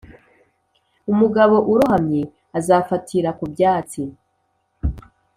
umugabo urohamye azafatira ku byatsi